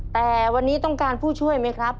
แต่วันนี้ต้องการผู้ช่วยไหมครับ